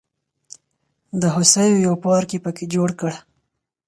د هوسیو یو پارک یې په کې جوړ کړ.